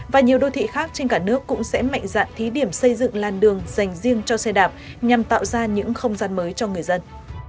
và nhiều đô thị khác trên cả nước cũng sẽ mạnh dạn thí điểm xây dựng lan đường dành riêng cho xe đạp nhằm tạo ra những không gian mới cho người dân